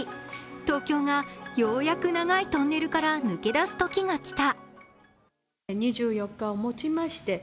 東京がようやく長いトンネルから抜け出す時が来た。